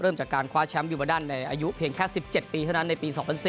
เริ่มจากการคว้าแชมป์ยูบาดันในอายุเพียงแค่๑๗ปีเท่านั้นในปี๒๐๐๔